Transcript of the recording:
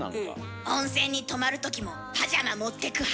温泉に泊まるときもパジャマ持ってく派。